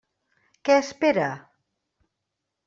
Què espera?